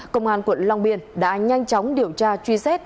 công an quận long biên đã nhanh chóng điều tra truy xét